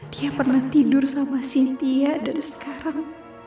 dia pernah tidur sama cynthia dan sekarang